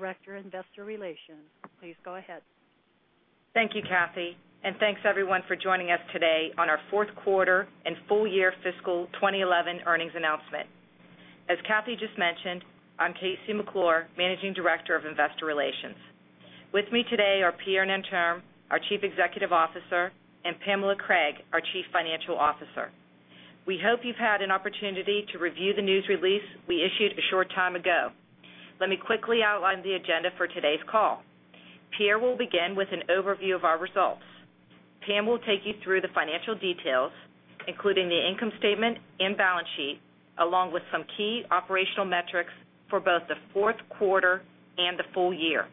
Director of Investor Relations, please go ahead. Thank you, Kathy, and thanks everyone for joining us today on our fourth quarter and full-year fiscal 2011 earnings announcement. As Kathy just mentioned, I'm KC McClure, Managing Director of Investor Relations. With me today are Pierre Nanterme, our Chief Executive Officer, and Pamela Craig, our Chief Financial Officer. We hope you've had an opportunity to review the news release we issued a short time ago. Let me quickly outline the agenda for today's call. Pierre will begin with an overview of our results. Pam will take you through the financial details, including the income statement and balance sheet, along with some key operational metrics for both the fourth quarter and the full year.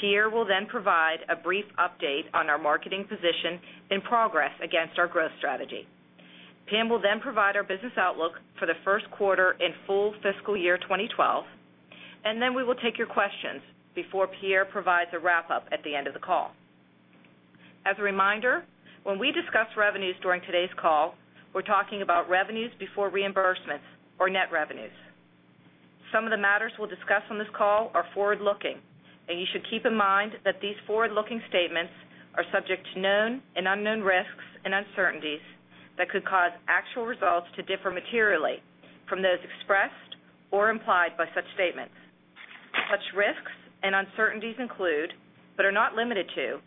Pierre will then provide a brief update on our marketing position and progress against our growth strategy. Pam will then provide our business outlook for the first quarter and full fiscal year 2012. We will take your questions before Pierre provides a wrap-up at the end of the call. As a reminder, when we discuss revenues during today's call, we're talking about revenues before reimbursements or net revenues. Some of the matters we'll discuss on this call are forward-looking, and you should keep in mind that these forward-looking statements are subject to known and unknown risks and uncertainties that could cause actual results to differ materially from those expressed or implied by such statements. Such risks and uncertainties include, but are not limited to,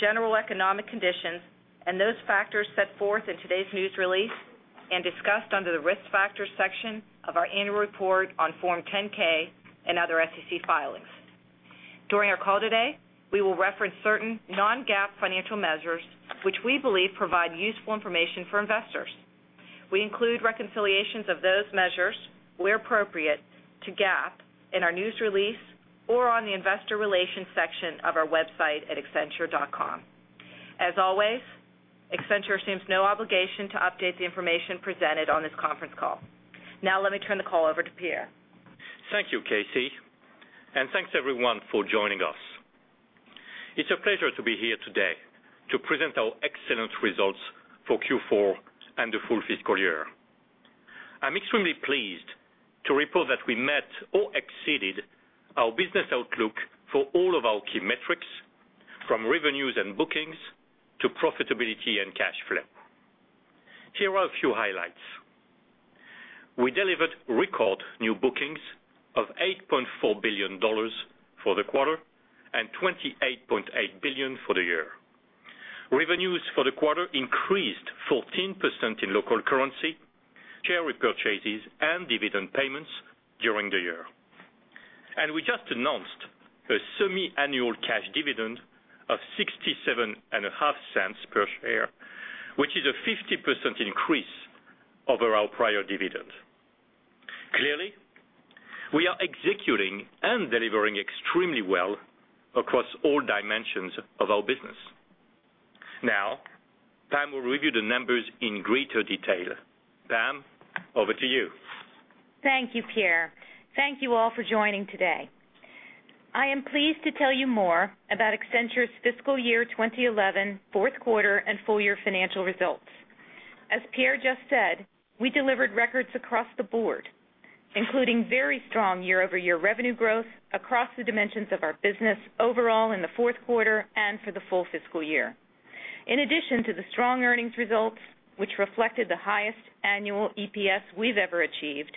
general economic conditions and those factors set forth in today's news release and discussed under the Risk Factors section of our annual report on Form 10-K and other SEC filings. During our call today, we will reference certain non-GAAP financial measures, which we believe provide useful information for investors. We include reconciliations of those measures where appropriate to GAAP in our news release or on the Investor Relations section of our website at accenture.com. As always, Accenture assumes no obligation to update the information presented on this conference call. Now, let me turn the call over to Pierre. Thank you, KC, and thanks everyone for joining us. It's a pleasure to be here today to present our excellent results for Q4 and the full fiscal year. I'm extremely pleased to report that we met or exceeded our business outlook for all of our key metrics, from revenues and bookings to profitability and cash flow. Here are a few highlights. We delivered record new bookings of $8.4 billion for the quarter and $28.8 billion for the year. Revenues for the quarter increased 14% in local currency, share repurchases, and dividend payments during the year. We just announced a semi-annual cash dividend of $67.50 per share, which is a 50% increase over our prior dividend. Clearly, we are executing and delivering extremely well across all dimensions of our business. Now, Pam will review the numbers in greater detail. Pam, over to you. Thank you, Pierre. Thank you all for joining today. I am pleased to tell you more about Accenture's fiscal year 2011 fourth quarter and full-year financial results. As Pierre just said, we delivered records across the board, including very strong year-over-year revenue growth across the dimensions of our business overall in the fourth quarter and for the full fiscal year. In addition to the strong earnings results, which reflected the highest annual EPS we've ever achieved,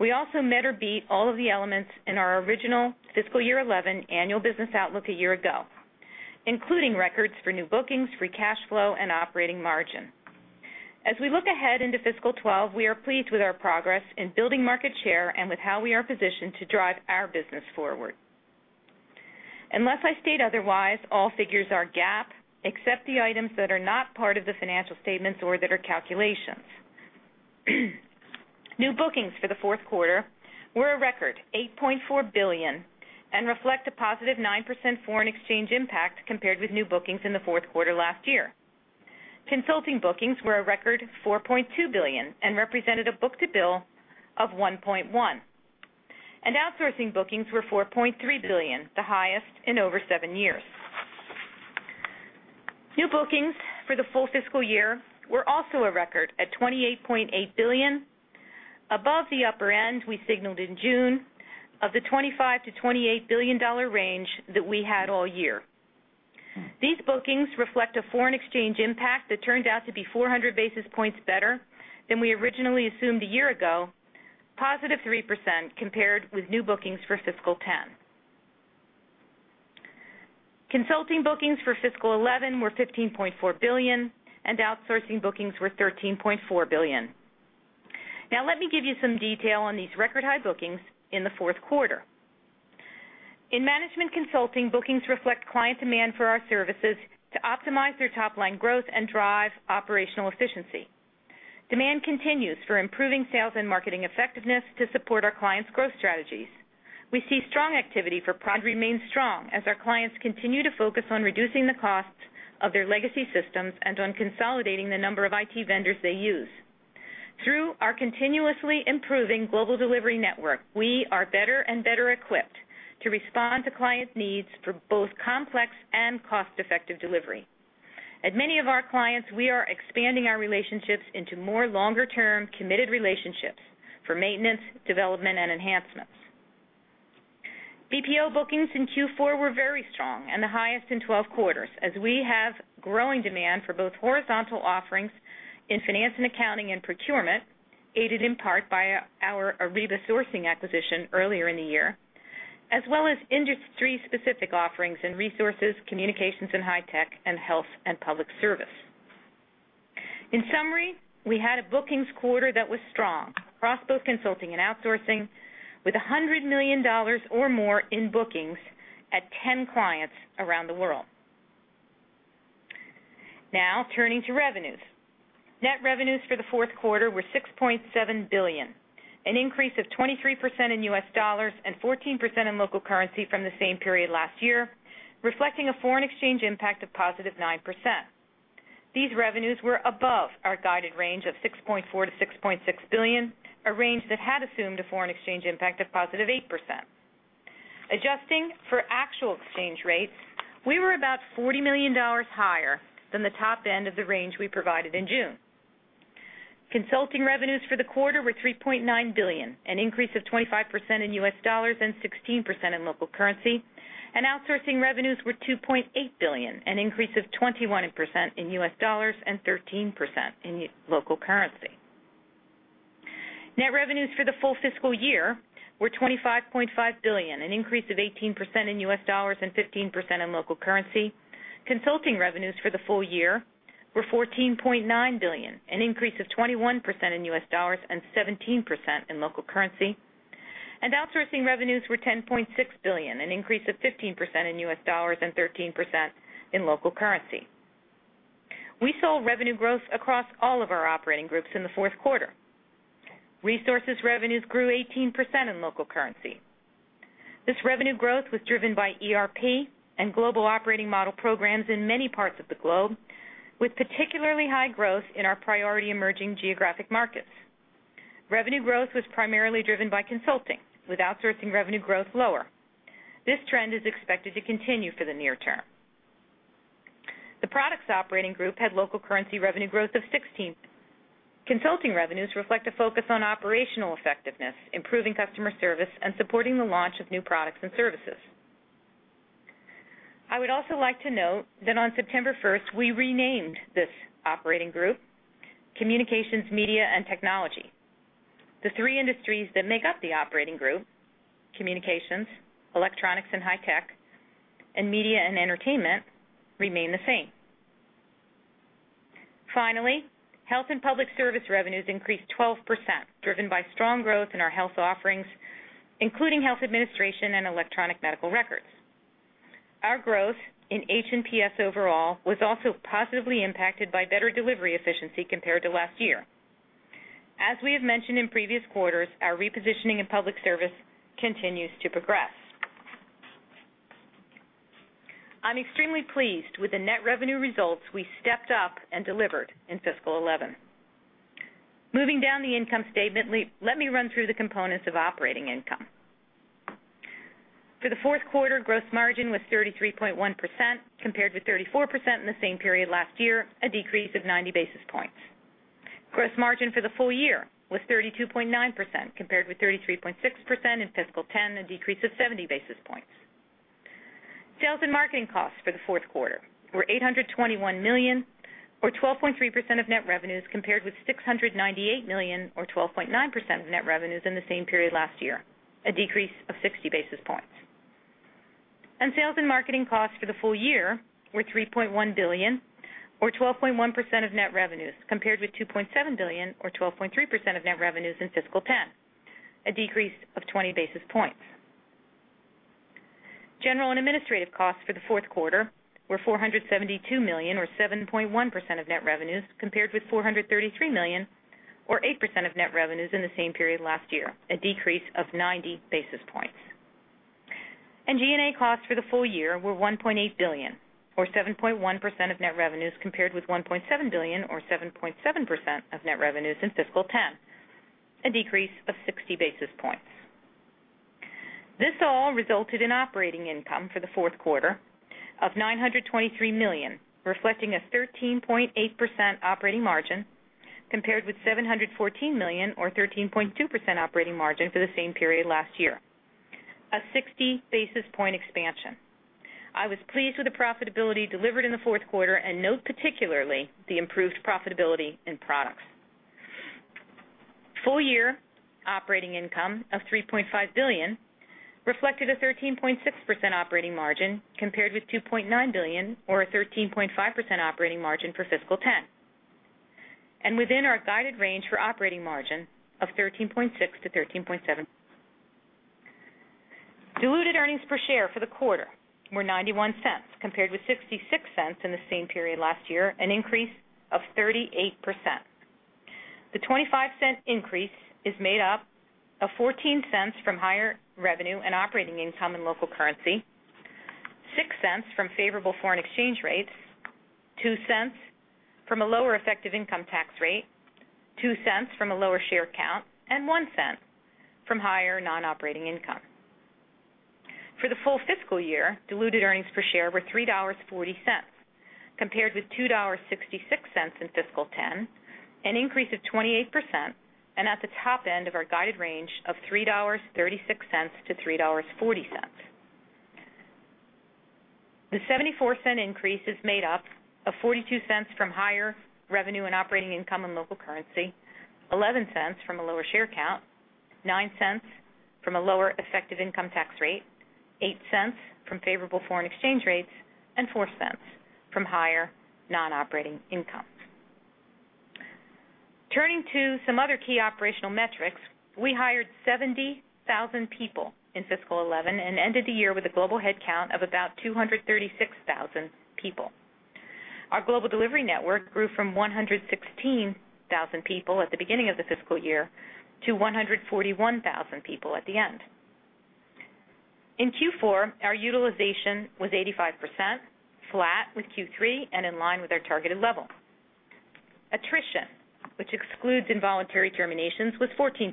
we also met or beat all of the elements in our original fiscal year 2011 annual business outlook a year ago, including records for new bookings, free cash flow, and operating margin. As we look ahead into fiscal 2012, we are pleased with our progress in building market share and with how we are positioned to drive our business forward. Unless I state otherwise, all figures are GAAP except the items that are not part of the financial statements or that are calculations. New bookings for the fourth quarter were a record $8.4 billion and reflect a positive 9% foreign exchange impact compared with new bookings in the fourth quarter last year. Consulting bookings were a record $4.2 billion and represented a book-to-bill of $1.1. Outsourcing bookings were $4.3 billion, the highest in over seven years. New bookings for the full fiscal year were also a record at $28.8 billion, above the upper end we signaled in June of the $25-$28 billion range that we had all year. These bookings reflect a foreign exchange impact that turned out to be 400 basis points better than we originally assumed a year ago, positive 3% compared with new bookings for fiscal 2010. Consulting bookings for fiscal 2011 were $15.4 billion, and outsourcing bookings were $13.4 billion. Now, let me give you some detail on these record-high bookings in the fourth quarter. In management consulting, bookings reflect client demand for our services to optimize their top-line growth and drive operational efficiency. Demand continues for improving sales and marketing effectiveness to support our clients' growth strategies. We see strong activity for product. Remains strong as our clients continue to focus on reducing the costs of their legacy systems and on consolidating the number of IT vendors they use. Through our continuously improving global delivery network, we are better and better equipped to respond to client needs for both complex and cost-effective delivery. At many of our clients, we are expanding our relationships into more longer-term committed relationships for maintenance, development, and enhancements. BPO bookings in Q4 were very strong and the highest in 12 quarters, as we have growing demand for both horizontal offerings in finance and accounting and procurement, aided in part by our Ariba Sourcing acquisition earlier in the year, as well as industry-specific offerings in Resources, Communications, and high tech, and Health & Public Service. In summary, we had a bookings quarter that was strong across both consulting and outsourcing, with $100 million or more in bookings at 10 clients around the world. Now, turning to revenues. Net revenues for the fourth quarter were $6.7 billion, an increase of 23% in U.S. dollars and 14% in local currency from the same period last year, reflecting a foreign exchange impact of positive 9%. These revenues were above our guided range of $6.4 to $6.6 billion, a range that had assumed a foreign exchange impact of positive 8%. Adjusting for actual exchange rates, we were about $40 million higher than the top end of the range we provided in June. Consulting revenues for the quarter were $3.9 billion, an increase of 25% in U.S. dollars and 16% in local currency. Outsourcing revenues were $2.8 billion, an increase of 21% in U.S. dollars and 13% in local currency. Net revenues for the full fiscal year were $25.5 billion, an increase of 18% in U.S. dollars and 15% in local currency. Consulting revenues for the full year were $14.9 billion, an increase of 21% in U.S. dollars and 17% in local currency. Outsourcing revenues were $10.6 billion, an increase of 15% in U.S. dollars and 13% in local currency. We saw revenue growth across all of our operating groups in the fourth quarter. Resources revenues grew 18% in local currency. This revenue growth was driven by ERP and global operating model programs in many parts of the globe, with particularly high growth in our priority emerging geographic markets. Revenue growth was primarily driven by consulting, with outsourcing revenue growth lower. This trend is expected to continue for the near term. The Products operating group had local currency revenue growth of 16%. Consulting revenues reflect a focus on operational effectiveness, improving customer service, and supporting the launch of new products and services. I would also like to note that on September 1, we renamed this operating group, Communications, Media & Technology. The three industries that make up the operating group, Communications, Media & Technology, remain the same. Finally, Health & Public Service revenues increased 12%, driven by strong growth in our health offerings, including health administration and electronic medical records. Our growth in H&PS overall was also positively impacted by better delivery efficiency compared to last year. As we have mentioned in previous quarters, our repositioning in public service continues to progress. I'm extremely pleased with the net revenue results we stepped up and delivered in fiscal 2011. Moving down the income statement, let me run through the components of operating income. For the fourth quarter, gross margin was 33.1% compared with 34% in the same period last year, a decrease of 90 basis points. Gross margin for the full year was 32.9% compared with 33.6% in fiscal 2010, a decrease of 70 basis points. Sales and marketing costs for the fourth quarter were $821 million, or 12.3% of net revenues, compared with $698 million, or 12.9% of net revenues in the same period last year, a decrease of 60 basis points. Sales and marketing costs for the full year were $3.1 billion, or 12.1% of net revenues, compared with $2.7 billion, or 12.3% of net revenues in fiscal 2010, a decrease of 20 basis points. General and administrative costs for the fourth quarter were $472 million, or 7.1% of net revenues, compared with $433 million, or 8% of net revenues in the same period last year, a decrease of 90 basis points. G&A costs for the full year were $1.8 billion, or 7.1% of net revenues, compared with $1.7 billion, or 7.7% of net revenues in fiscal 2010, a decrease of 60 basis points. This all resulted in operating income for the fourth quarter of $923 million, reflecting a 13.8% operating margin compared with $714 million, or 13.2% operating margin for the same period last year, a 60 basis point expansion. I was pleased with the profitability delivered in the fourth quarter and note particularly the improved profitability in Products. Full-year operating income of $3.5 billion reflected a 13.6% operating margin compared with $2.9 billion, or a 13.5% operating margin for fiscal 2010, and within our guided range for operating margin of 13.6% to 13.7%. Diluted earnings per share for the quarter were $0.91 compared with $0.66 in the same period last year, an increase of 38%. The $0.25 increase is made up of $0.14 from higher revenue and operating income in local currency, $0.06 from favorable foreign exchange rates, $0.02 from a lower effective income tax rate, $0.02 from a lower share count, and $0.01 from higher non-operating income. For the full fiscal year, diluted EPS were $3.40 compared with $2.66 in fiscal 2010, an increase of 28% and at the top end of our guided range of $3.36-$3.40. The $0.74 increase is made up of $0.42 from higher revenue and operating income in local currency, $0.11 from a lower share count, $0.09 from a lower effective income tax rate, $0.08 from favorable foreign exchange rates, and $0.04 from higher non-operating income. Turning to some other key operational metrics, we hired 70,000 people in fiscal 2011 and ended the year with a global headcount of about 236,000 people. Our global delivery network grew from 116,000 people at the beginning of the fiscal year to 141,000 people at the end. In Q4, our utilization was 85%, flat with Q3 and in line with our targeted level. Attrition, which excludes involuntary terminations, was 14%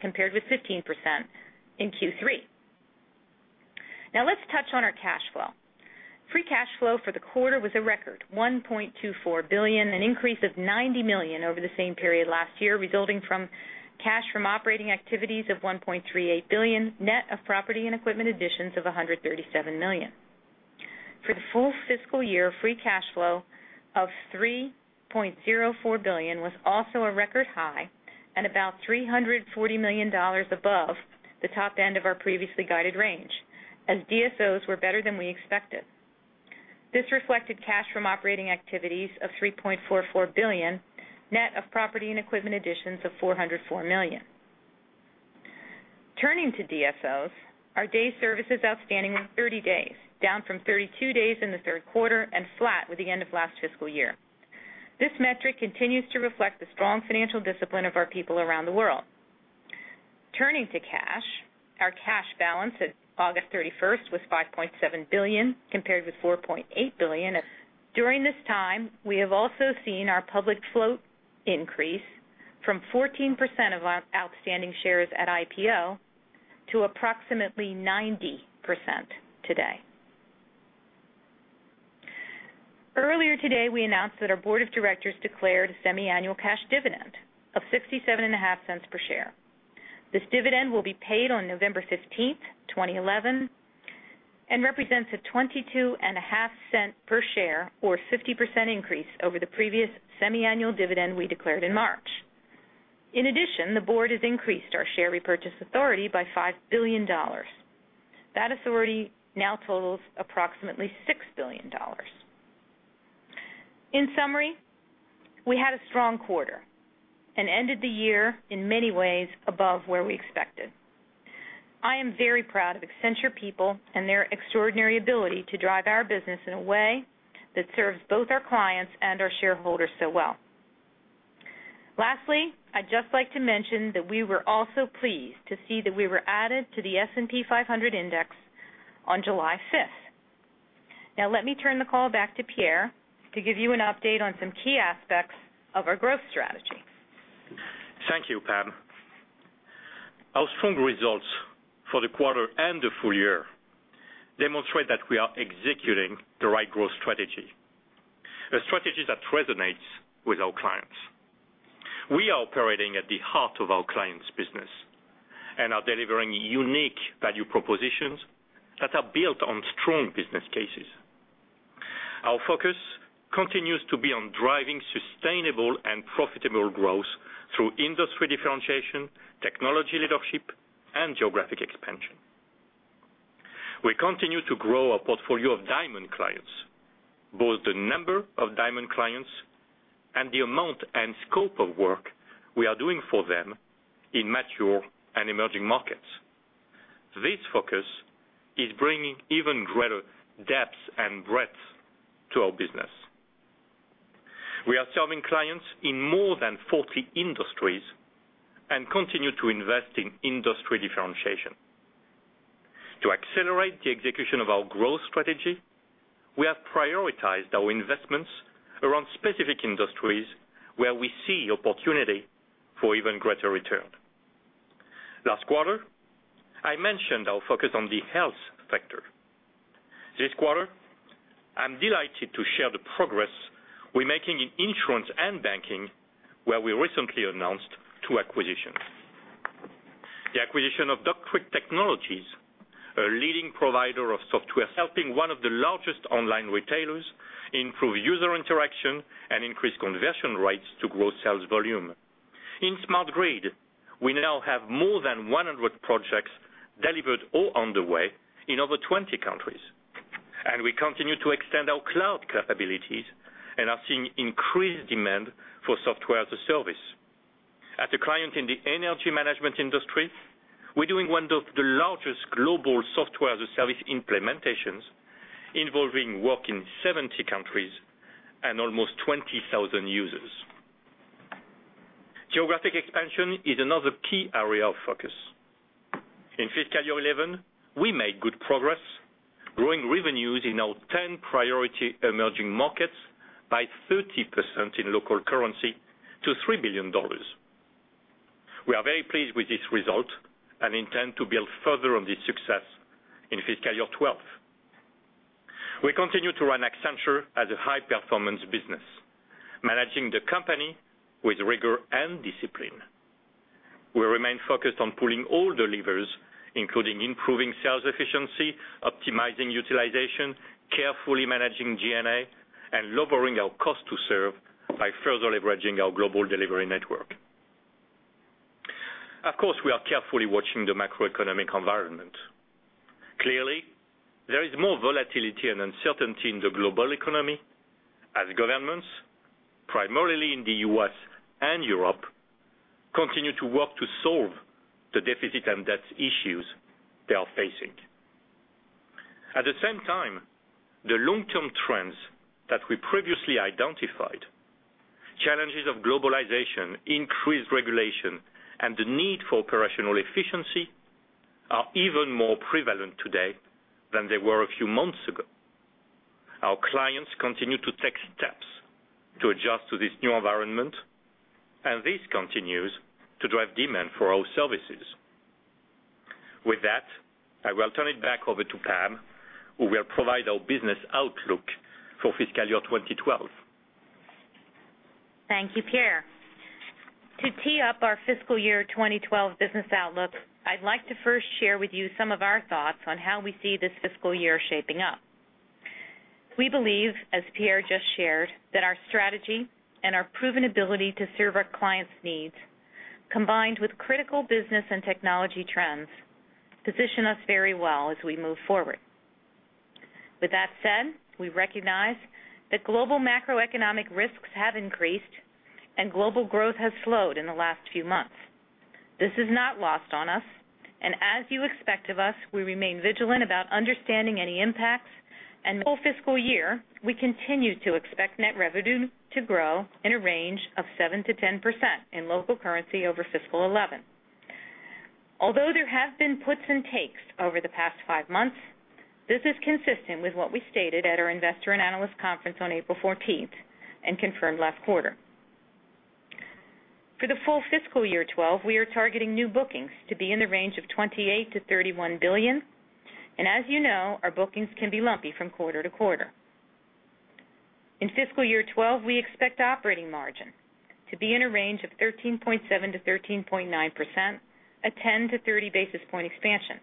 compared with 15% in Q3. Now, let's touch on our cash flow. Free cash flow for the quarter was a record $1.24 billion, an increase of $90 million over the same period last year, resulting from cash from operating activities of $1.38 billion, net of property and equipment additions of $137 million. For the full fiscal year, free cash flow of $3.04 billion was also a record high and about $340 million above the top end of our previously guided range, as DSOs were better than we expected. This reflected cash from operating activities of $3.44 billion, net of property and equipment additions of $404 million. Turning to DSOs, our days sales outstanding was 30 days, down from 32 days in the third quarter and flat with the end of last fiscal year. This metric continues to reflect the strong financial discipline of our people around the world. Turning to cash, our cash balance at August 31 was $5.7 billion compared with $4.8 billion. During this time, we have also seen our public float increase from 14% of outstanding shares at IPO to approximately 90% today. Earlier today, we announced that our board of directors declared a semi-annual cash dividend of $67.50 per share. This dividend will be paid on November 15, 2011, and represents a $22.50 per share, or a 50% increase over the previous semi-annual dividend we declared in March. In addition, the board has increased our share repurchase authority by $5 billion. That authority now totals approximately $6 billion. In summary, we had a strong quarter and ended the year in many ways above where we expected. I am very proud of Accenture people and their extraordinary ability to drive our business in a way that serves both our clients and our shareholders so well. Lastly, I'd just like to mention that we were also pleased to see that we were added to the S&P 500 index on July 5. Now, let me turn the call back to Pierre to give you an update on some key aspects of our growth strategy. Thank you, Pam. Our strong results for the quarter and the full year demonstrate that we are executing the right growth strategy, a strategy that resonates with our clients. We are operating at the heart of our clients' business and are delivering unique value propositions that are built on strong business cases. Our focus continues to be on driving sustainable and profitable growth through industry differentiation, technology leadership, and geographic expansion. We continue to grow our portfolio of diamond clients, both the number of diamond clients and the amount and scope of work we are doing for them in mature and emerging markets. This focus is bringing even greater depth and breadth to our business. We are serving clients in more than 40 industries and continue to invest in industry differentiation. To accelerate the execution of our growth strategy, we have prioritized our investments around specific industries where we see opportunity for even greater return. Last quarter, I mentioned our focus on the health sector. This quarter, I'm delighted to share the progress we're making in insurance and banking, where we recently announced two acquisitions. The acquisition of DocQuick Technologies, a leading provider of software, helping one of the largest online retailers improve user interaction and increase conversion rates to grow sales volume. In SmartGrade, we now have more than 100 projects delivered or underway in over 20 countries. We continue to extend our cloud capabilities and are seeing increased demand for software as a service. As a client in the energy management industry, we're doing one of the largest global software as a service implementations involving work in 70 countries and almost 20,000 users. Geographic expansion is another key area of focus. In fiscal year 2011, we made good progress, growing revenues in our 10 priority emerging markets by 30% in local currency to $3 billion. We are very pleased with this result and intend to build further on this success in fiscal year 2012. We continue to run Accenture as a high-performance business, managing the company with rigor and discipline. We remain focused on pulling all the levers, including improving sales efficiency, optimizing utilization, carefully managing G&A, and lowering our cost to serve by further leveraging our global delivery network. Of course, we are carefully watching the macroeconomic environment. Clearly, there is more volatility and uncertainty in the global economy, as governments, primarily in the U.S. and Europe, continue to work to solve the deficit and debt issues they are facing. At the same time, the long-term trends that we previously identified, challenges of globalization, increased regulation, and the need for operational efficiency are even more prevalent today than they were a few months ago. Our clients continue to take steps to adjust to this new environment, and this continues to drive demand for our services. With that, I will turn it back over to Pam, who will provide our business outlook for fiscal year 2012. Thank you, Pierre. To tee up our fiscal year 2012 business outlooks, I'd like to first share with you some of our thoughts on how we see this fiscal year shaping up. We believe, as Pierre just shared, that our strategy and our proven ability to serve our clients' needs, combined with critical business and technology trends, position us very well as we move forward. With that said, we recognize that global macroeconomic risks have increased and global growth has slowed in the last few months. This is not lost on us. As you expect of us, we remain vigilant about understanding any impacts. Fiscal year, we continue to expect net revenue to grow in a range of 7% to 10% in local currency over fiscal 2011. Although there have been puts and takes over the past five months, this is consistent with what we stated at our Investor and Analyst Conference on April 14 and confirmed last quarter. For the full fiscal year 2012, we are targeting new bookings to be in the range of $28 billion-$31 billion. As you know, our bookings can be lumpy from quarter to quarter. In fiscal year 2012, we expect operating margin to be in a range of 13.7%-13.9%, a 10-30 basis point expansion.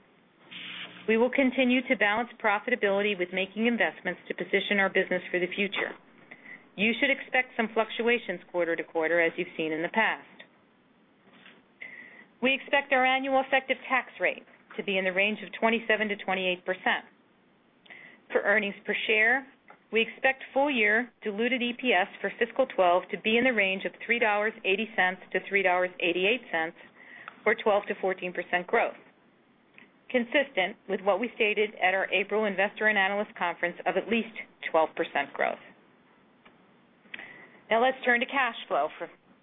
We will continue to balance profitability with making investments to position our business for the future. You should expect some fluctuations quarter to quarter, as you've seen in the past. We expect our annual effective tax rate to be in the range of 27%-28%. For earnings per share, we expect full-year diluted EPS for fiscal 2012 to be in the range of $3.80-$3.88, or 12%-14% growth, consistent with what we stated at our April Investor and Analyst Conference of at least 12% growth. Now, let's turn to cash flow.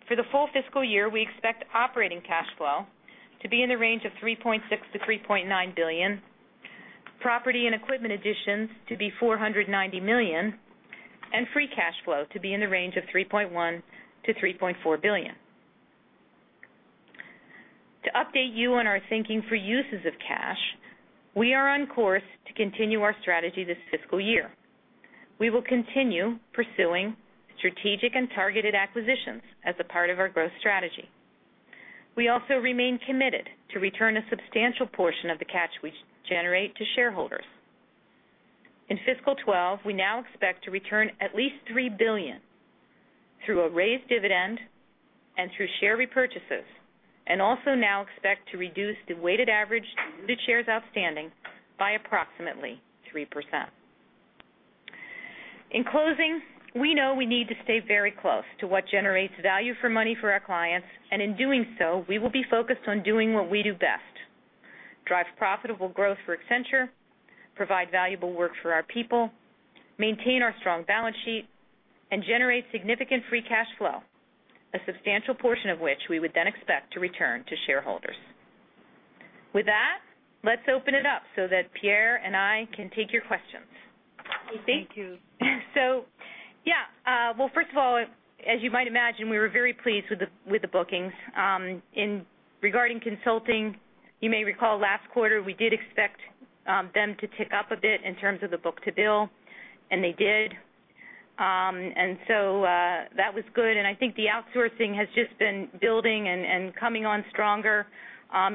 For the full fiscal year, we expect operating cash flow to be in the range of $3.6 billion-$3.9 billion, property and equipment additions to be $490 million, and free cash flow to be in the range of $3.1 billion -$3.4 billion. To update you on our thinking for uses of cash, we are on course to continue our strategy this fiscal year. We will continue pursuing strategic and targeted acquisitions as a part of our growth strategy. We also remain committed to return a substantial portion of the cash we generate to shareholders. In fiscal 2012, we now expect to return at least $3 billion through a raised dividend and through share repurchases, and also now expect to reduce the weighted average of shares outstanding by approximately 3%. In closing, we know we need to stay very close to what generates value for money for our clients. In doing so, we will be focused on doing what we do best: drive profitable growth for Accenture, provide valuable work for our people, maintain our strong balance sheet, and generate significant free cash flow, a substantial portion of which we would then expect to return to shareholders. With that, let's open it up so that Pierre and I can take your questions. Thank you. First of all, as you might imagine, we were very pleased with the bookings. Regarding consulting, you may recall last quarter, we did expect them to tick up a bit in terms of the book-to-bill, and they did. That was good. I think the outsourcing has just been building and coming on stronger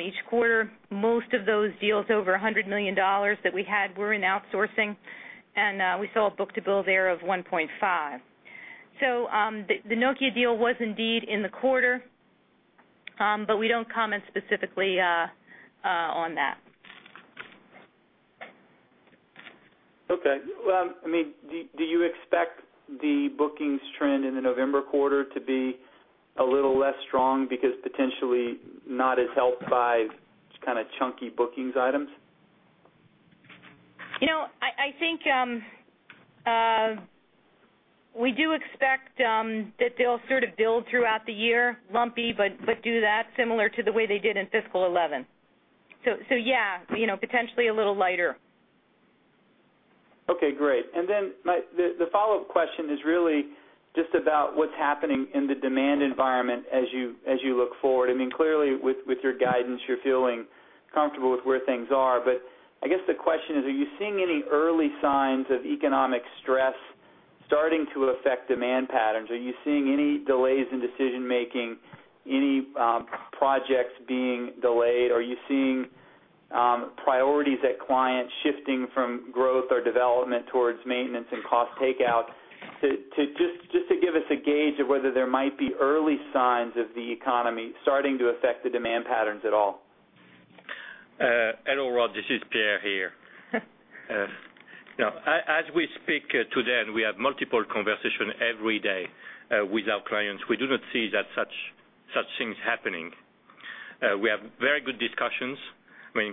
each quarter. Most of those deals over $100 million that we had were in outsourcing, and we saw a book-to-bill there of $1.5. The Nokia deal was indeed in the quarter, but we don't comment specifically on that. OK. Do you expect the bookings trend in the November quarter to be a little less strong because potentially not as helped by kind of chunky bookings items? I think we do expect that they'll sort of build throughout the year, lumpy, but do that similar to the way they did in fiscal 2011. Yeah, you know, potentially a little lighter. OK, great. The follow-up question is really just about what's happening in the demand environment as you look forward. I mean, clearly, with your guidance, you're feeling comfortable with where things are. I guess the question is, are you seeing any early signs of economic stress starting to affect demand patterns? Are you seeing any delays in decision-making, any projects being delayed? Are you seeing priorities at clients shifting from growth or development towards maintenance and cost takeout? Just to give us a gauge of whether there might be early signs of the economy starting to affect the demand patterns at all. Hello, Rod. This is Pierre here. As we speak today, we have multiple conversations every day with our clients. We do not see such things happening. We have very good discussions.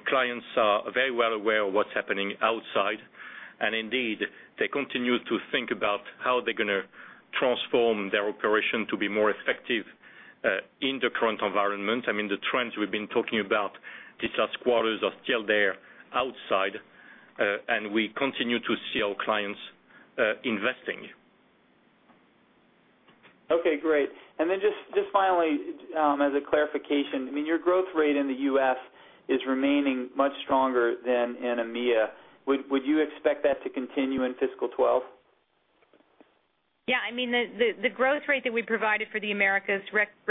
Clients are very well aware of what's happening outside. Indeed, they continue to think about how they're going to transform their operation to be more effective in the current environment. The trends we've been talking about these last quarters are still there outside, and we continue to see our clients investing. OK, great. Just finally, as a clarification, I mean, your growth rate in the U.S. is remaining much stronger than in EMEA. Would you expect that to continue in fiscal 2012? Yeah. I mean, the growth rate that we provided for the Americas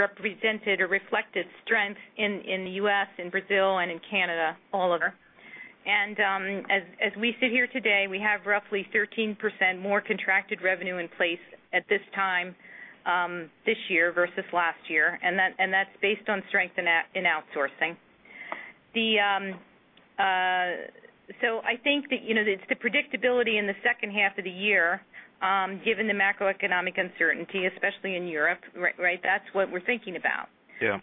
represented or reflected strength in the U.S., in Brazil, and in Canada, all over. As we sit here today, we have roughly 13% more contracted revenue in place at this time this year versus last year. That's based on strength in outsourcing. I think that it's the predictability in the second half of the year, given the macroeconomic uncertainty, especially in Europe, right? That's what we're thinking about. Yeah.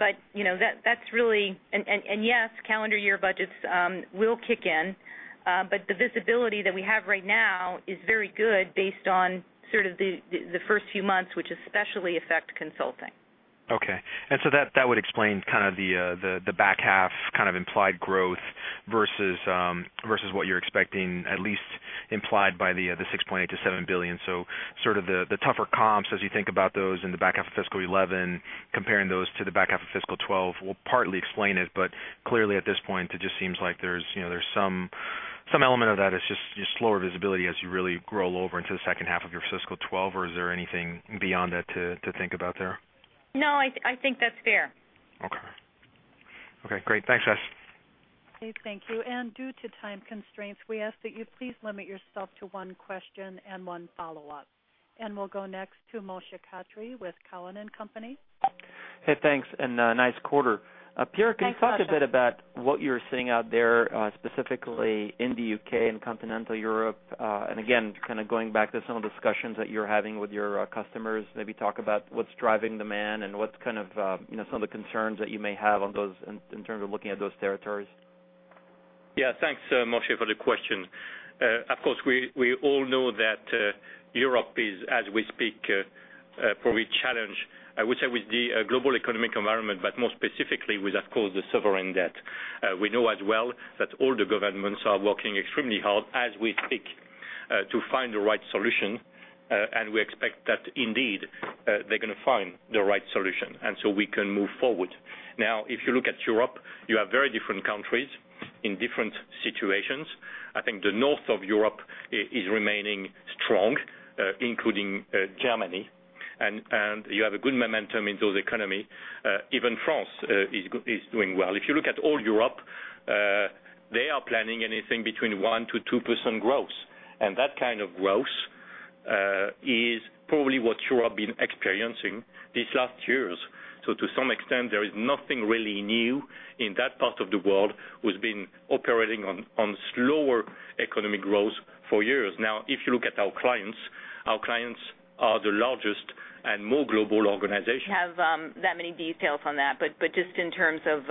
That's really, and yes, calendar year budgets will kick in. The visibility that we have right now is very good based on sort of the first few months, which especially affect consulting. OK. That would explain kind of the back half implied growth versus what you're expecting, at least implied by the $6.8-$7 billion. The tougher comps, as you think about those in the back half of fiscal 2011, comparing those to the back half of fiscal 2012, will partly explain it. Clearly, at this point, it just seems like there's some element of that is just slower visibility as you really grow over into the second half of your fiscal 2012. Is there anything beyond that to think about there? No, I think that's fair. OK, great. Thanks, guys. Thank you. Due to time constraints, we ask that you please limit yourself to one question and one follow-up. We'll go next to Moshe Katri with TD Cowen. Hey, thanks. Nice quarter. Pierre, could you talk a bit about what you're seeing out there, specifically in the UK and continental Europe? Going back to some of the discussions that you're having with your customers, maybe talk about what's driving demand and what are some of the concerns that you may have in terms of looking at those territories. Yeah, thanks, Moshe, for the question. Of course, we all know that Europe is, as we speak, probably challenged, I would say, with the global economic environment, but more specifically with, of course, the sovereign debt. We know as well that all the governments are working extremely hard as we speak to find the right solution. We expect that indeed they're going to find the right solution, and we can move forward. Now, if you look at Europe, you have very different countries in different situations. I think the north of Europe is remaining strong, including Germany, and you have a good momentum in those economies. Even France is doing well. If you look at all Europe, they are planning anything between 1%-2% growth. That kind of growth is probably what Europe has been experiencing these last years. To some extent, there is nothing really new in that part of the world who's been operating on slower economic growth for years. Now, if you look at our clients, our clients are the largest and more global organizations. have that many details on that. Just in terms of,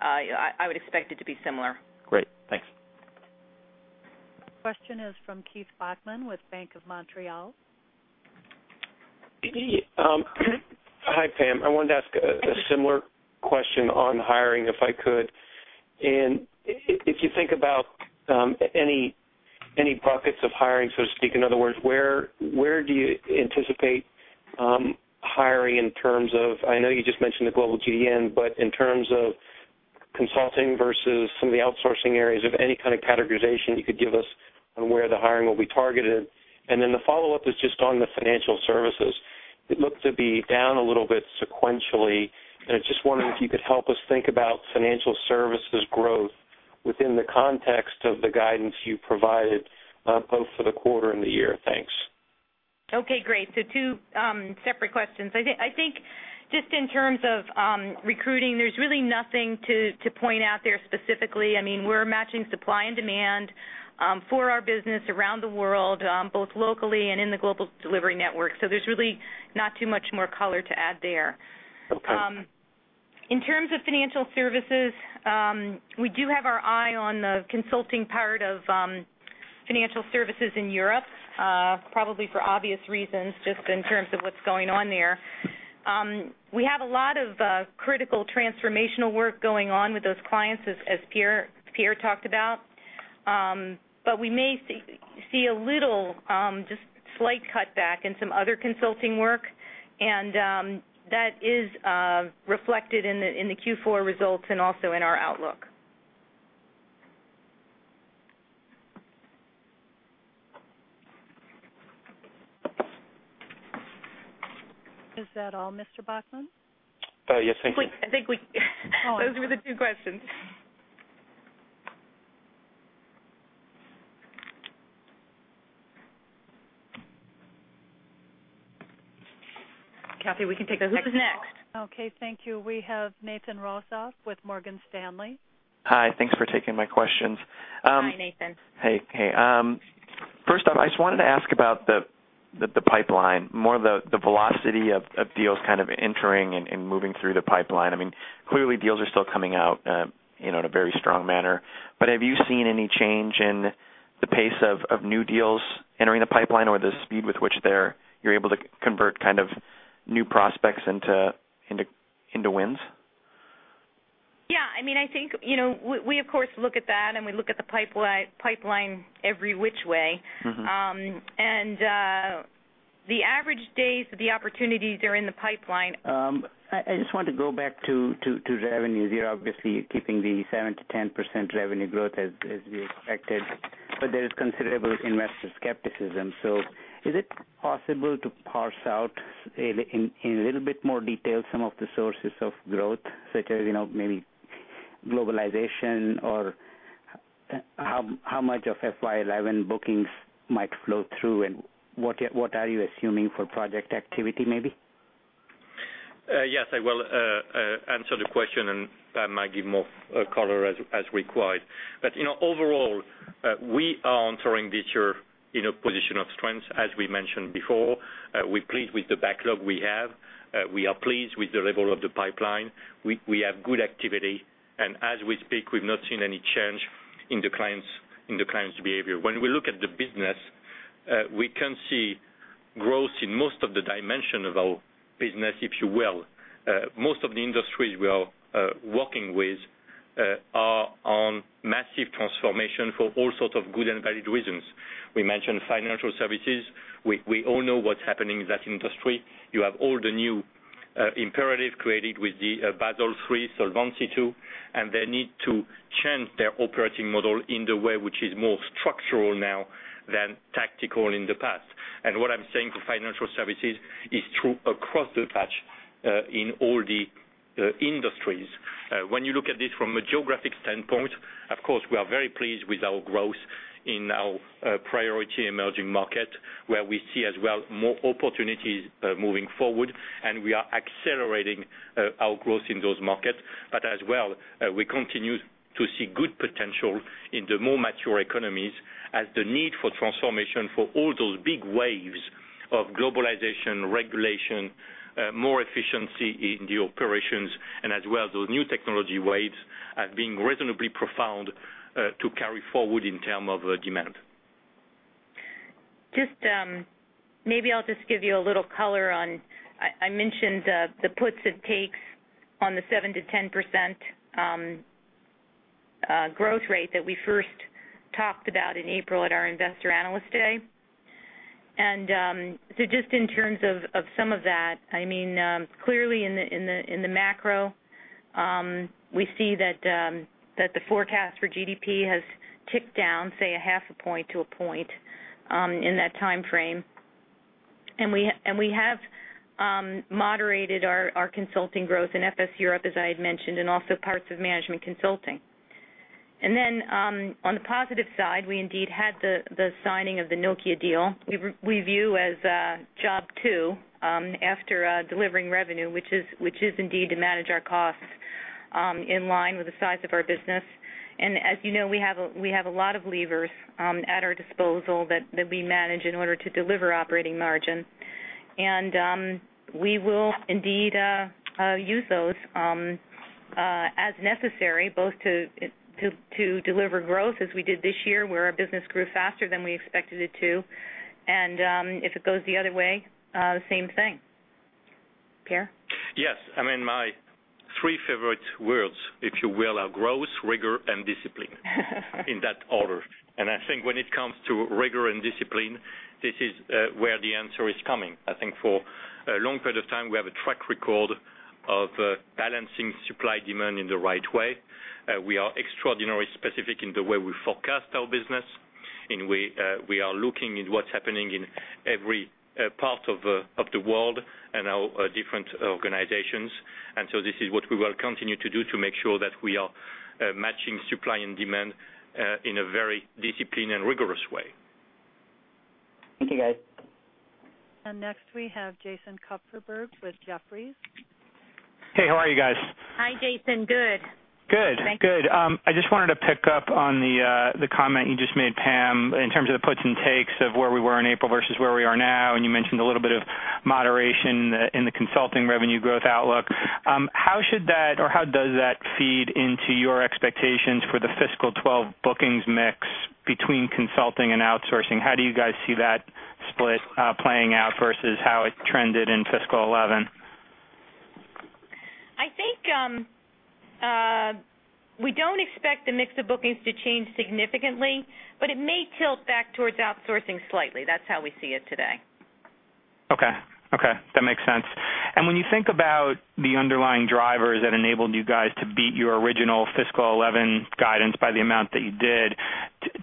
I would expect it to be similar. Great. Thanks. Question is from Keith Bachman with Bank of America. Hi, Pam. I wanted to ask a similar question on hiring, if I could. If you think about any pockets of hiring, so to speak, in other words, where do you anticipate hiring in terms of, I know you just mentioned the global delivery network, but in terms of consulting versus some of the outsourcing areas, if any kind of categorization you could give us on where the hiring will be targeted. The follow-up is just on the financial services. It looked to be down a little bit sequentially. I was just wondering if you could help us think about financial services growth within the context of the guidance you provided, both for the quarter and the year. Thanks. OK, great. Two separate questions. I think just in terms of recruiting, there's really nothing to point out there specifically. I mean, we're matching supply and demand for our business around the world, both locally and in the global delivery network. There's really not too much more color to add there. In terms of financial services, we do have our eye on the consulting part of financial services in Europe, probably for obvious reasons, just in terms of what's going on there. We have a lot of critical transformational work going on with those clients, as Pierre Nanterme talked about. We may see a little, just slight cutback in some other consulting work. That is reflected in the Q4 results and also in our outlook. Is that all, Mr. Bachman? Yes, thank you. I think those were the two questions. Kathy, we can take those next. Next. OK, thank you. We have Nathan Rosoff with Morgan Stanley. Hi, thanks for taking my questions. Hi, Nathan. Hey, first up, I just wanted to ask about the pipeline, more the velocity of deals kind of entering and moving through the pipeline. I mean, clearly, deals are still coming out in a very strong manner. Have you seen any change in the pace of new deals entering the pipeline or the speed with which you're able to convert kind of new prospects into wins? Yeah, I mean, I think we, of course, look at that, and we look at the pipeline every which way. The average days of the opportunities are in the pipeline. I just want to go back to revenues. You're obviously keeping the 7%-10% revenue growth as we expected. There is considerable investor skepticism. Is it possible to parse out in a little bit more detail some of the sources of growth, such as maybe globalization or how much of FY 2011 bookings might flow through? What are you assuming for project activity, maybe? Yes, I will answer the question and add maybe more color as required. Overall, we are entering this year in a position of strength, as we mentioned before. We're pleased with the backlog we have. We are pleased with the level of the pipeline. We have good activity. As we speak, we've not seen any change in the client's behavior. When we look at the business, we can see growth in most of the dimensions of our business, if you will. Most of the industries we are working with are on massive transformation for all sorts of good and valid reasons. We mentioned financial services. We all know what's happening in that industry. You have all the new imperatives created with the Basel III, Solvency II, and they need to change their operating model in the way which is more structural now than tactical in the past. What I'm saying for financial services is true across the patch in all the industries. When you look at this from a geographic standpoint, of course, we are very pleased with our growth in our priority emerging markets, where we see as well more opportunities moving forward. We are accelerating our growth in those markets. We continue to see good potential in the more mature economies, as the need for transformation for all those big waves of globalization, regulation, more efficiency in the operations, and those new technology waves have been reasonably profound to carry forward in terms of demand. Maybe I'll just give you a little color on I mentioned the puts and takes on the 7% to 10% growth rate that we first talked about in April at our Investor Analyst Day. In terms of some of that, clearly in the macro, we see that the forecast for GDP has ticked down, say, a half a point to a point in that time frame. We have moderated our consulting growth in FS Europe, as I had mentioned, and also parts of management consulting. On the positive side, we indeed had the signing of the Nokia deal. We view as job two after delivering revenue, which is indeed to manage our costs in line with the size of our business. As you know, we have a lot of levers at our disposal that we manage in order to deliver operating margin. We will indeed use those as necessary, both to deliver growth, as we did this year, where our business grew faster than we expected it to. If it goes the other way, same thing. Pierre? Yes. My three favorite words, if you will, are growth, rigor, and discipline, in that order. I think when it comes to rigor and discipline, this is where the answer is coming. I think for a long period of time, we have a track record of balancing supply and demand in the right way. We are extraordinarily specific in the way we forecast our business. We are looking at what's happening in every part of the world and our different organizations. This is what we will continue to do to make sure that we are matching supply and demand in a very disciplined and rigorous way. Thank you, guys. Next, we have Jason Kupferberg with Jefferies. Hey, how are you guys? Hi, Jason. Good. Good. Thank you. Good. I just wanted to pick up on the comment you just made, Pam, in terms of the puts and takes of where we were in April versus where we are now. You mentioned a little bit of moderation in the consulting revenue growth outlook. How should that, or how does that feed into your expectations for the fiscal 2012 bookings mix between consulting and outsourcing? How do you guys see that split playing out versus how it trended in fiscal 2011? I think we don't expect the mix of bookings to change significantly, but it may tilt back towards outsourcing slightly. That's how we see it today. OK, that makes sense. When you think about the underlying drivers that enabled you guys to beat your original fiscal 2011 guidance by the amount that you did,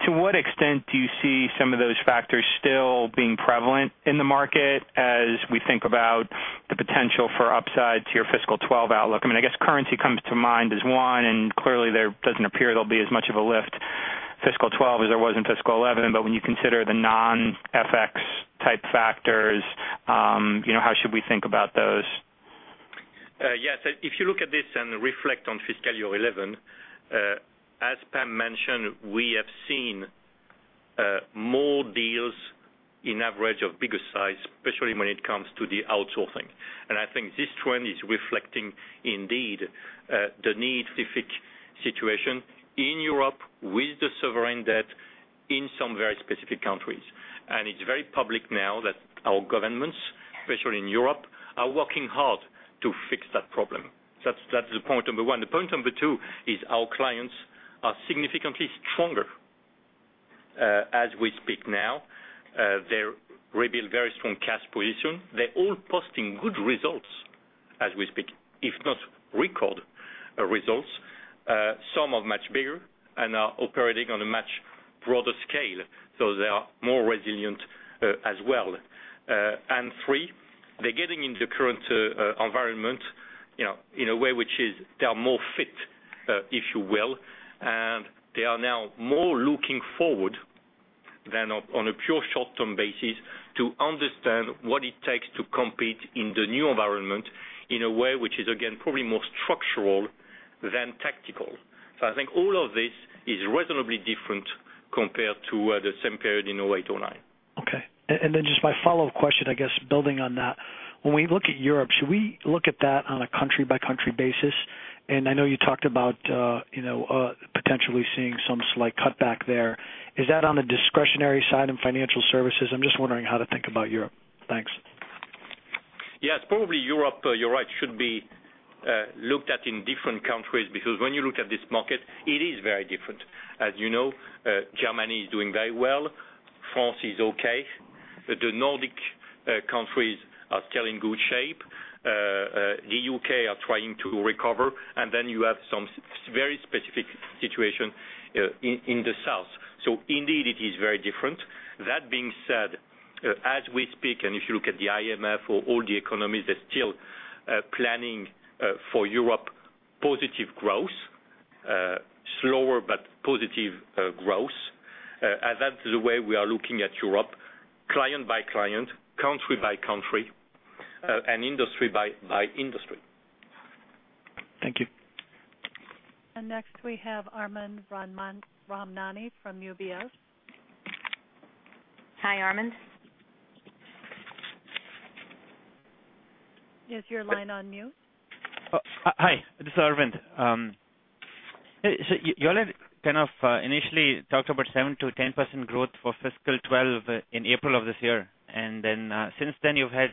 to what extent do you see some of those factors still being prevalent in the market as we think about the potential for upside to your fiscal 2012 outlook? I mean, I guess currency comes to mind as one. Clearly, there doesn't appear there'll be as much of a lift fiscal 2012 as there was in fiscal 2011. When you consider the non-FX type factors, how should we think about those? Yes. If you look at this and reflect on fiscal year 2011, as Pam mentioned, we have seen more deals on average of bigger size, especially when it comes to the outsourcing. I think this trend is reflecting indeed the need. Specific situation in Europe with the sovereign debt in some very specific countries. It is very public now that our governments, especially in Europe, are working hard to fix that problem. That's the point number one. The point number two is our clients are significantly stronger as we speak now. They've rebuilt very strong cash positions. They're all posting good results as we speak, if not record results, some much bigger and are operating on a much broader scale. They are more resilient as well. Three, they're getting in the current environment in a way which is they're more fit, if you will. They are now more looking forward than on a pure short-term basis to understand what it takes to compete in the new environment in a way which is, again, probably more structural than tactical. I think all of this is reasonably different compared to the same period in 2008 or 2009. OK. Just my follow-up question, I guess, building on that. When we look at Europe, should we look at that on a country-by-country basis? I know you talked about potentially seeing some slight cutback there. Is that on a discretionary side in financial services? I'm just wondering how to think about Europe. Thanks. Yes, probably Europe, you're right, should be looked at in different countries. Because when you look at this market, it is very different. As you know, Germany is doing very well. France is OK. The Nordic countries are still in good shape. The UK is trying to recover. You have some very specific situation in the South. It is very different. That being said, as we speak, and if you look at the IMF or all the economies, they're still planning for Europe positive growth, slower but positive growth. That's the way we are looking at Europe, client by client, country by country, and industry by industry. Thank you. Next, we have Arvind Ramnani from UBS. Hi, Arvind. Is your line on mute? Hi. This is Arvind. You all have initially talked about 7%-10% growth for fiscal 2012 in April of this year. Since then, you've had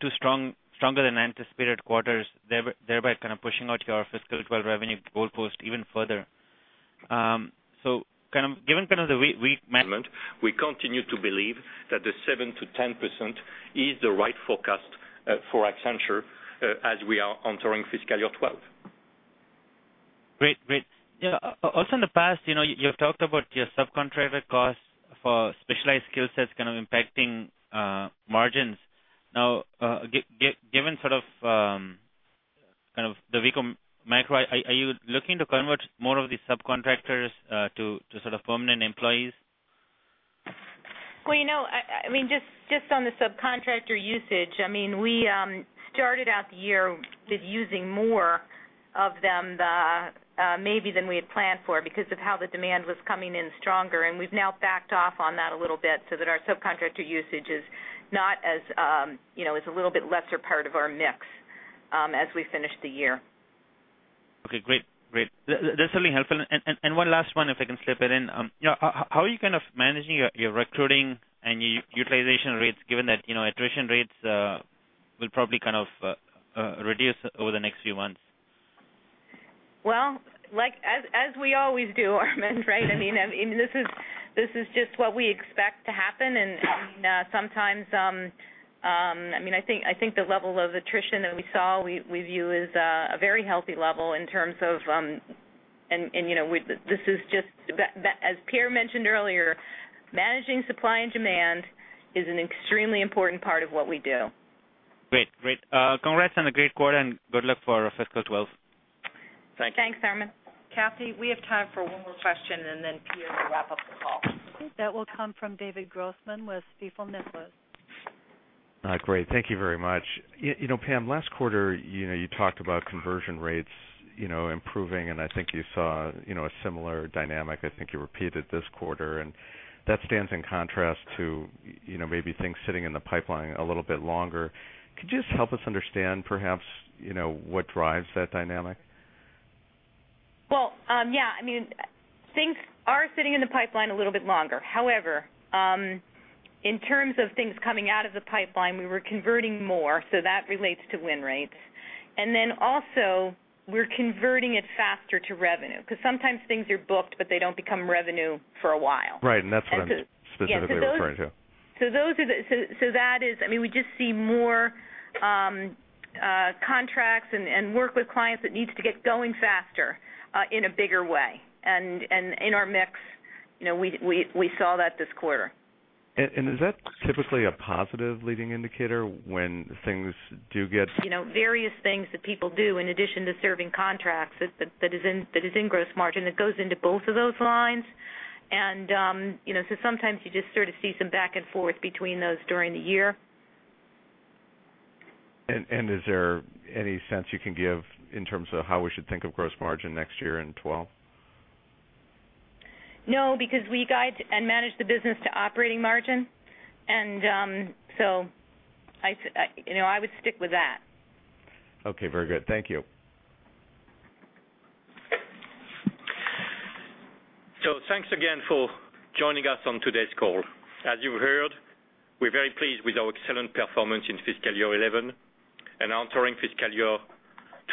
two stronger-than-anticipated quarters, thereby pushing out your fiscal 2012 revenue goalpost even further. Given the way we. Element, we continue to believe that the 7% to 10% is the right forecast for Accenture as we are entering fiscal year 2012. Great. Also, in the past, you have talked about your subcontractor costs for specialized skill sets kind of impacting margins. Now, given sort of the macro, are you looking to convert more of these subcontractors to sort of permanent employees? On the subcontractor usage, we started out the year with using more of them maybe than we had planned for because of how the demand was coming in stronger. We've now backed off on that a little bit so that our subcontractor usage is not as, you know, a little bit lesser part of our mix as we finished the year. OK, great, great. That's really helpful. One last one, if I can slip it in. How are you kind of managing your recruiting and your utilization rates, given that attrition rates will probably kind of reduce over the next few months? As we always do, Arvind, right? I mean, this is just what we expect to happen. I think the level of attrition that we saw, we view as a very healthy level in terms of, and you know, this is just, as Pierre Nanterme mentioned earlier, managing supply and demand is an extremely important part of what we do. Great, great. Congrats on a great quarter and good luck for fiscal 2012. All right. Thanks, Arvind. Kathy, we have time for one more question, and then Pierre, we'll wrap up the call. That will come from David Grossman with Spiegel Nicholas. Great. Thank you very much. You know, Pam, last quarter, you talked about conversion rates improving. I think you saw a similar dynamic. I think you repeated this quarter. That stands in contrast to maybe things sitting in the pipeline a little bit longer. Could you just help us understand perhaps what drives that dynamic? Things are sitting in the pipeline a little bit longer. However, in terms of things coming out of the pipeline, we were converting more. That relates to win rates, and we're also converting it faster to revenue because sometimes things are booked, but they don't become revenue for a while. That's what I'm specifically referring to. That is, I mean, we just see more contracts and work with clients that need to get going faster in a bigger way. In our mix, you know, we saw that this quarter. Is that typically a positive leading indicator when things do get? Various things that people do in addition to serving contracts that is in gross margin that goes into both of those lines. Sometimes you just sort of see some back and forth between those during the year. Is there any sense you can give in terms of how we should think of gross margin next year in 2012? No, because we guide and manage the business to operating margin. I would stick with that. OK, very good. Thank you. Thank you again for joining us on today's call. As you heard, we're very pleased with our excellent performance in fiscal year 2011 and entering fiscal year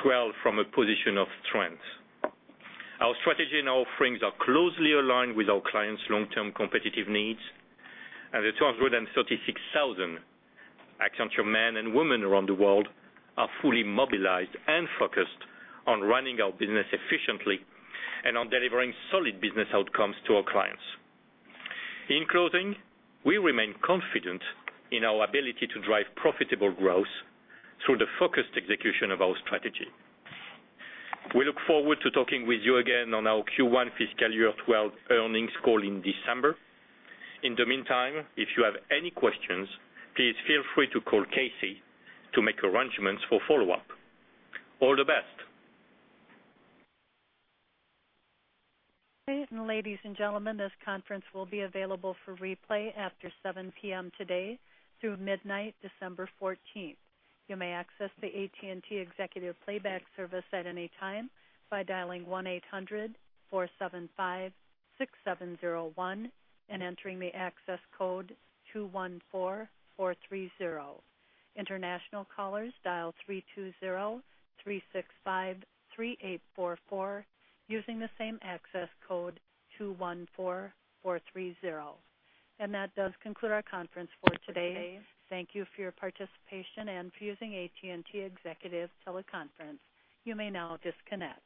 2012 from a position of strength. Our strategy and our offerings are closely aligned with our clients' long-term competitive needs. The 236,000 Accenture men and women around the world are fully mobilized and focused on running our business efficiently and on delivering solid business outcomes to our clients. In closing, we remain confident in our ability to drive profitable growth through the focused execution of our strategy. We look forward to talking with you again on our Q1 fiscal year 2012 earnings call in December. In the meantime, if you have any questions, please feel free to call KC to make arrangements for follow-up. All the best. Ladies and gentlemen, this conference will be available for replay after 7:00 P.M. today through midnight, December 14. You may access the AT&T executive playback service at any time by dialing 1-800-475-6701 and entering the access code 214430. International callers, dial 320-365-3844 using the same access code 214430. That does conclude our conference for today. Thank you for your participation and for using AT&T executive teleconference. You may now disconnect.